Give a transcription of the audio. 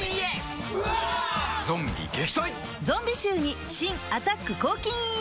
ゾンビ臭に新「アタック抗菌ＥＸ」